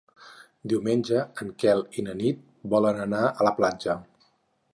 Diumenge en Quel i na Nit volen anar a la platja.